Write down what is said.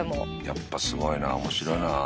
やっぱすごいな面白いな。